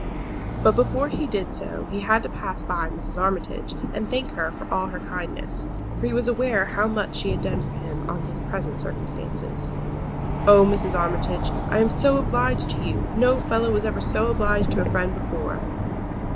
But before he did so he had to pass by Mrs. Armitage and thank her for all her kindness; for he was aware how much she had done for him in his present circumstances. "Oh, Mrs. Armitage, I am so obliged to you! no fellow was ever so obliged to a friend before."